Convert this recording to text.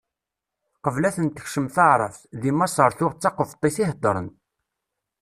Qbel ad ten-tekcem taɛrabt, deg Maṣer tuɣ d taqebṭit i heddren.